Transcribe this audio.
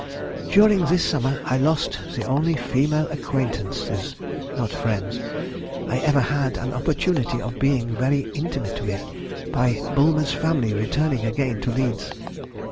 "During this summer I lost the only female acquaintances (not friends) I ever had an opportunity of being very intimate with by Bulmer's family returning again to Leeds.